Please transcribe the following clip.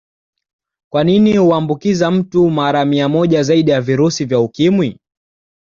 Kwani huambukiza mtu mara mia moja zaidi ya virusi vya Ukimwi